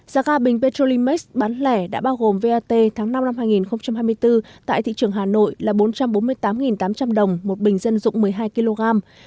giá ga bình petrolimax bán lẻ đã bao gồm vat tháng năm năm hai nghìn hai mươi bốn tại thị trường hà nội là bốn trăm bốn mươi tám tám trăm linh đồng một bình dân dụng một mươi hai kg